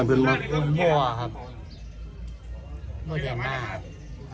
อันดับสุดท้ายก็คืออันดับสุดท้าย